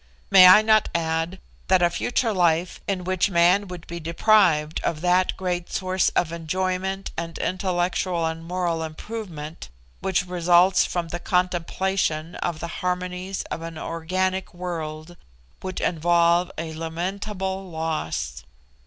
May I not add that a future life in which man would be deprived of that great source of enjoyment and intellectual and moral improvement which results from the contemplation of the harmonies of an organic world would involve a lamentable loss?